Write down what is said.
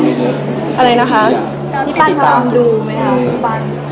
พี่ป้าเหรอดูไหม